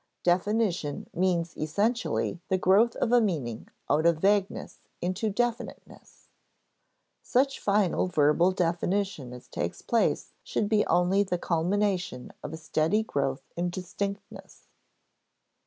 Definition means essentially the growth of a meaning out of vagueness into definiteness. Such final verbal definition as takes place should be only the culmination of a steady growth in distinctness.